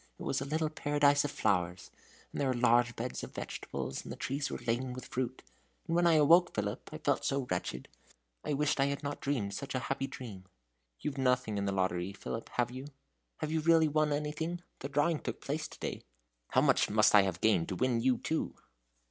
It was a little paradise of flowers and there were large beds of vegetables, and the trees were laden with fruit. And when I awoke, Philip, I felt so wretched I wished I had not dreamed such a happy dream. You've nothing in the lottery, Philip, have you? Have you really won anything? The drawing took place to day." "How much must I have gained to win you too?"